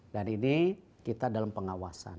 dan ini kita dalam pengawasan